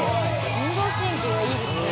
運動神経がいいですね